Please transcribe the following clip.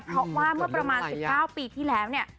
เพราะว่าเมื่อประมาณ๑๙ปีที่แล้วเนี่ย